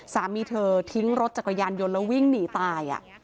สามีเธอทิ้งรถจักรยานยนต์แล้ววิ่งหนีตาย